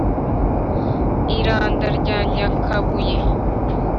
i randa rya nyakabuye.